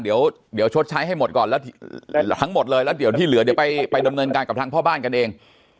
เดี๋ยวชดใช้ให้หมดก่อนแล้วทั้งหมดเลยแล้วเดี๋ยวที่เหลือเดี๋ยวไปดำเนินการกับทางพ่อบ้านกันเอง